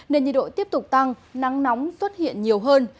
nên nhiệt độ tiếp tục tăng nắng nóng xuất hiện nhiều hơn